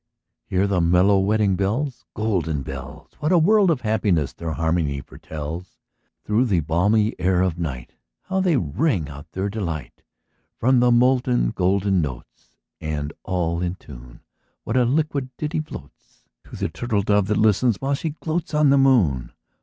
Hear the mellow wedding bells, Golden bells! What a world of happiness their harmony foretell: Through the balmy air of night How they ring out their delight! From the molten golden notes, And all in tune, What a liquid ditty floats, To the turtle dove that listens, while she gloats On the moon!